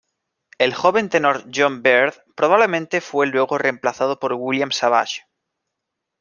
El joven tenor John Beard probablemente fue luego reemplazado por William Savage.